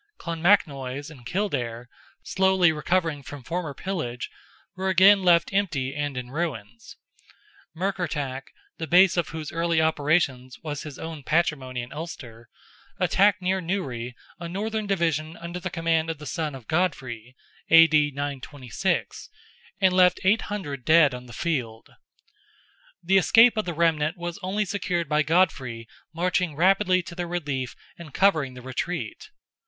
Clonmacnoise and Kildare, slowly recovering from former pillage, were again left empty and in ruins. Murkertach, the base of whose early operations was his own patrimony in Ulster, attacked near Newry a Northern division under the command of the son of Godfrey (A.D. 926), and left 800 dead on the field. The escape of the remnant was only secured by Godfrey marching rapidly to their relief and covering the retreat.